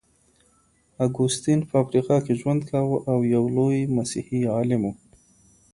اګوستين په افریقا کي ژوند کاوه او يو لوی مسيحي عالم و.